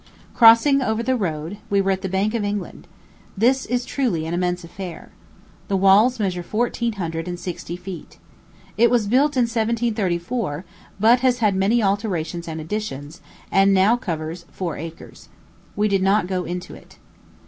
Crossing over the road, we were at the Bank of England. This is a truly immense affair. The walls measure fourteen hundred and sixty feet. It wad built in 1734, but has had many alterations and additions, and now covers four acres. We did not go into it.